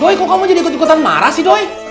doi kok kamu jadi ketikutan marah sih doi